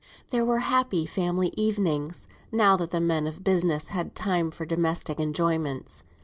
There were happy family evenings, now that the men of business had time for domestic enjoyments.